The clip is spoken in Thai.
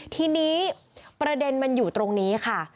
ทีนี้ประเด็นมันอยู่ตรงนี้ค่ะ